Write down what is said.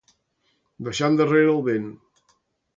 Deixar endarrere el vent.